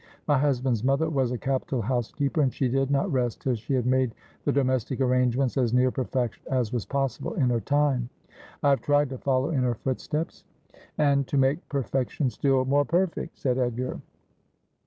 My husband's mother was a capital housekeeper, and she did not rest till she had made the domestic arrangements as near perfection as was possible in her time. 1 have tried to follow in her footsteps.' ' And to make perfection still more perfect,' said Edgar.